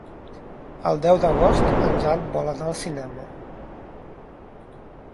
El deu d'agost en Jan vol anar al cinema.